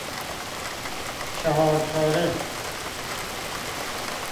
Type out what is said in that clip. چهار تاره